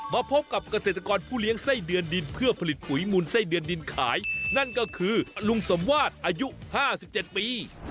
พบกับเกษตรกรผู้เลี้ยงไส้เดือนดินเพื่อผลิตปุ๋ยมูลไส้เดือนดินขายนั่นก็คือลุงสมวาสอายุ๕๗ปี